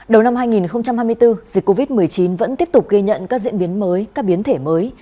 đầu năm hai nghìn hai mươi bốn dịch covid một mươi chín vẫn tiếp tục ghi nhận các diễn biến mới các biến thể mới